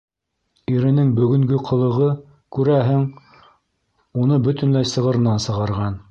Иренең бөгөнгө ҡылығы, күрәһең, уны бөтөнләй сығырынан сығарған.